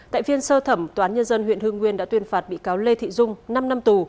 tại phiên sơ thẩm toán nhân dân huyện hương nguyên đã tuyên phạt bị cáo lê thị dung năm năm tù